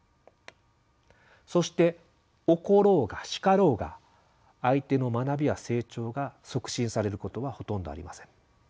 そして怒ろうが叱ろうが相手の学びや成長が促進されることはほとんどありません。